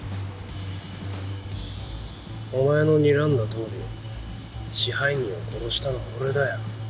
お前のにらんだとおり支配人を殺したのは俺だよ。